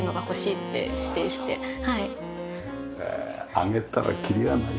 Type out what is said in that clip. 挙げたらきりがないけど。